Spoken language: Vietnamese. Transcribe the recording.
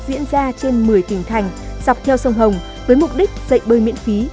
diễn ra trên một mươi tỉnh thành dọc theo sông hồng với mục đích dạy bơi miễn phí